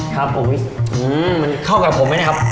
ครับอุ้ยมันเข้ากับผมไหมนะครับ